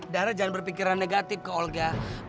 darah jangan berpikiran negatif ke olga